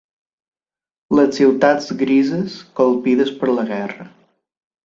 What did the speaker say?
Les ciutats grises, colpides per la guerra